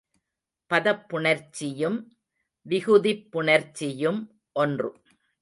பதப் புணர்ச்சியும் விகுதிப் புணர்ச்சியும் ஒன்று.